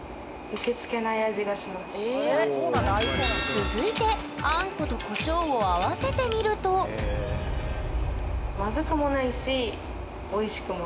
続いてあんことコショウを合わせてみるとやっぱむずいんだ。